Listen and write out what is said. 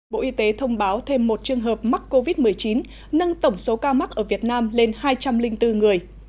bộ y tế thông báo thêm một trường hợp mắc covid một mươi chín nâng tổng số ca mắc ở việt nam lên hai trăm linh bốn người